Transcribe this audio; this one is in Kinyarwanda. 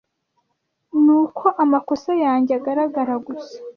ni uko amakosa yanjye agaragara gusa